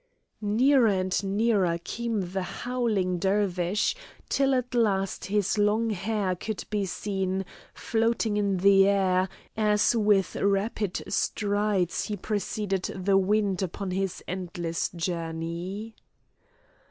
Nearer and nearer came the howling Dervish, till at last his long hair could be seen floating in the air, as with rapid strides he preceded the wind upon his endless journey.